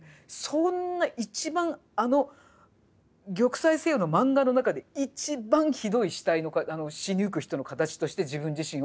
そんな一番あの「玉砕せよ」の漫画の中で一番ひどい死体の死にゆく人の形として自分自身を描いてるんですよ。